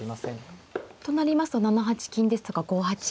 となりますと７八金ですとか５八金を。